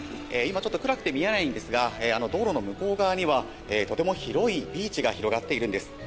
今、暗くて見えないんですが道路の向こう側にはとても広いビーチが広がっているんです。